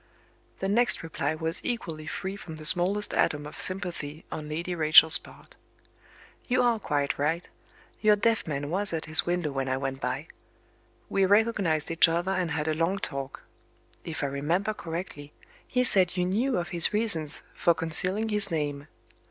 The next reply was equally free from the smallest atom of sympathy on Lady Rachel's part. "You are quite right your deaf man was at his window when I went by. We recognized each other and had a long talk. If I remember correctly, he said you knew of his reasons for concealing his name.